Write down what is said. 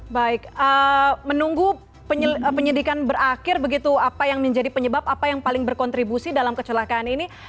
baik menunggu penyidikan berakhir begitu apa yang menjadi penyebab apa yang paling berkontribusi dalam kecelakaan ini